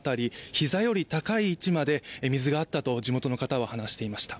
膝より高い位置まで水があったと地元の方は話していました。